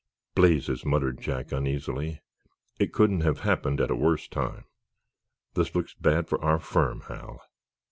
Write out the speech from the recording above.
"Blazes!" muttered Jack, uneasily. "It couldn't have happened at a worse time. This looks bad for our firm, Hal!"